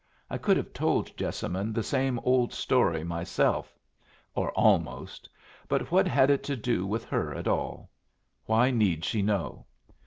I could have told Jessamine the same old story myself or almost; but what had it to do with her at all? Why need she know?